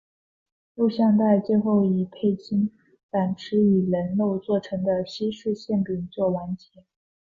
录像带最后以佩芮反吃以人肉做成的西式馅饼作完结。